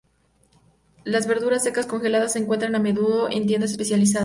Las verduras secas congeladas se encuentran a menudo en tiendas especializadas.